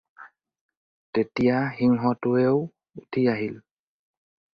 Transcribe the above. তেতিযা সিংহটোৱেও উঠি আহিল